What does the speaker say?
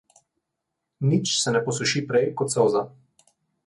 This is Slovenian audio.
Nič se ne posuši prej kot solza.